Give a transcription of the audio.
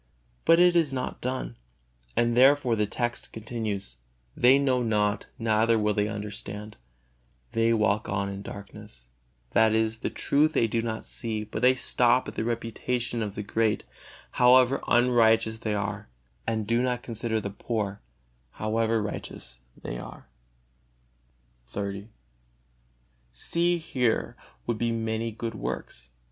But it is not done, and therefore the text continues: "They know not, neither will they understand; they walk on in darkness"; that is, the truth they do not see, but they stop at the reputation of the great, however unrighteous they are; and do not consider the poor, however righteous they are. XXX. See, here would be many good works.